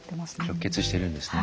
直結してるんですね。